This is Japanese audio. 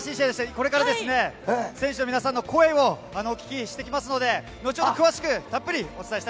これからですね、選手の皆さんの声をお聞きしてきますので、後ほど詳しく、たっぷよろしく。